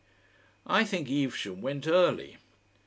I think Evesham went early.